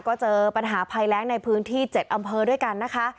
ก็เจอปัญหาภัยแรงในพื้นที่๗อำเภอด้วยกันนะคะ